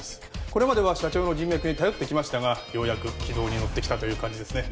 これまでは社長の人脈に頼ってきましたがようやく軌道に乗ってきたという感じですね。